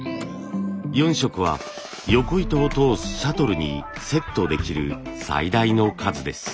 ４色はよこ糸を通すシャトルにセットできる最大の数です。